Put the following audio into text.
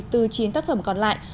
từ chín tác phẩm còn lại